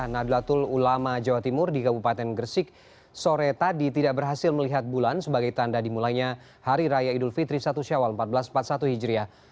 nadlatul ulama jawa timur di kabupaten gresik sore tadi tidak berhasil melihat bulan sebagai tanda dimulainya hari raya idul fitri satu syawal seribu empat ratus empat puluh satu hijriah